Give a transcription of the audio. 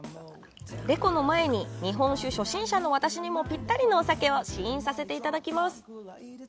レコの前に、日本酒初心者の私にもぴったりのお酒を試飲させていただきます。